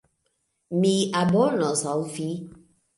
Mi abonos al vi